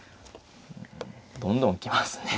どんどん来ますね。